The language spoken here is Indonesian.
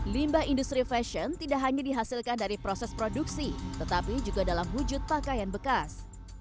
limbah industri fashion tidak hanya dihasilkan dari proses produksi tetapi juga dalam wujud pakaian bekas